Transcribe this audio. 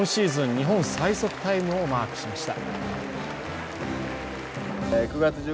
日本最速タイムをマークしました。